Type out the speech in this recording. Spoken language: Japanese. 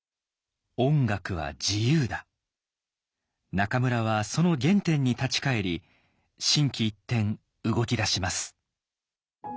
中村はその原点に立ち返り心機一転動き出します。